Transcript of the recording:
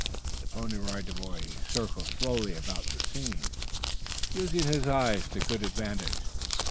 The Pony Rider Boy circled slowly about the scene, using his eyes to good advantage.